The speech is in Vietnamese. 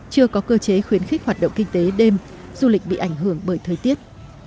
chưa có cơ chế khuyến khích hoạt động kinh tế đêm du lịch bị ảnh hưởng bởi thời tiết